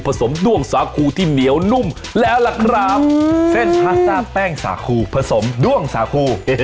สมด้วงสาคูที่เหนียวนุ่มแล้วล่ะครับเส้นพาสต้าแป้งสาคูผสมด้วงสาคู